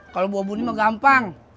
kalau buah budi mah gampang